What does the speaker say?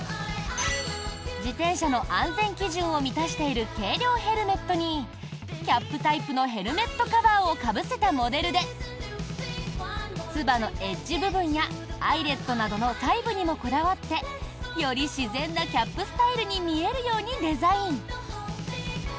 自転車の安全基準を満たしている軽量ヘルメットにキャップタイプのヘルメットカバーをかぶせたモデルでつばのエッジ部分やアイレットなどの細部にもこだわってより自然なキャップスタイルに見えるようにデザイン。